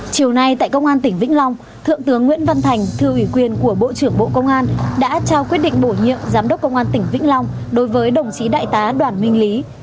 chiều nay tại công an tỉnh vĩnh long thượng tướng nguyễn văn thành thư ủy quyền của bộ trưởng bộ công an đã trao quyết định bổ nhiệm giám đốc công an tỉnh vĩnh long đối với đồng chí đại tá đoàn minh lý